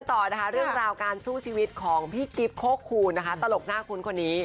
ต่อนะคะเรื่องราวการสู้ชีวิตของพี่กิ๊บโคคูณนะคะตลกหน้าคุ้นคนนี้